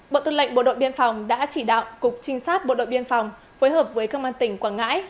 bộ tư lệnh bộ đội biên phòng đã chỉ đạo cục trinh sát bộ đội biên phòng phối hợp với công an tỉnh quảng ngãi